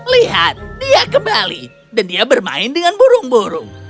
lihat dia kembali dan dia bermain dengan burung burung